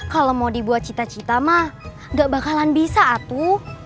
kalau mau dibuat cita cita mah gak bakalan bisa atu